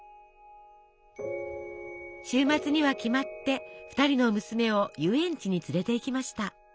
週末には決まって２人の娘を遊園地に連れていきました。